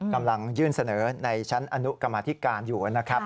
กำลังยื่นเสนอในชั้นอนุกรรมธิการอยู่นะครับ